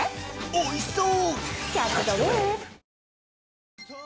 おいしそう！